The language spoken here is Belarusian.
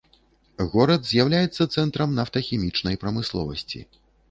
Горад з'яўляецца цэнтрам нафтахімічнай прамысловасці.